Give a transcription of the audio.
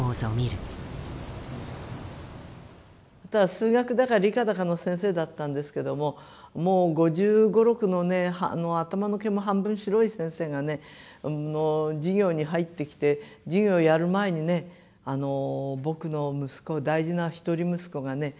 数学だか理科だかの先生だったんですけどももう５５５６のね頭の毛も半分白い先生が授業に入ってきて授業やる前にね僕の息子大事な一人息子がね